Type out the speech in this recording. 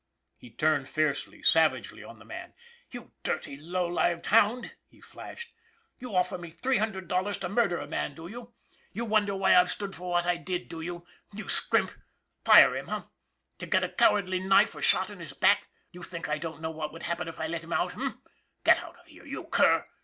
" He turned fiercely, savagely on the man. " You dirty, low lived hound !" he flashed. " You offer me three hundred dollars to murder a man, do you? 1 You MUNFORD 339 wonder why I've stood for what I did, do you, you scrimp ! Fire him, eh, to get a cowardly knife or shot in his back! You think I didn't know what would happen if I let him out, eh? Get out of here, you cur!